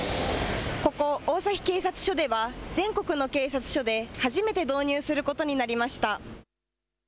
ここ大崎警察署では、全国の警察署で初めて導入することになりました。